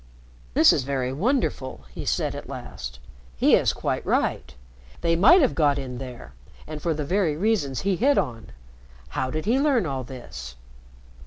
"This is very wonderful!" he said at last. "He is quite right. They might have got in there, and for the very reasons he hit on. How did he learn all this?"